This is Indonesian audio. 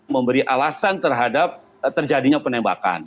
memberi alasan terhadap terjadinya penembakan